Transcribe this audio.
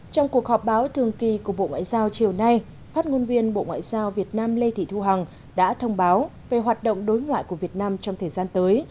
trong cuộc họp báo thường kỳ của bộ ngoại giao chiều nay phát ngôn viên bộ ngoại giao việt nam lê thị thu hằng đã thông báo về hoạt động đối ngoại của việt nam trong thời gian tới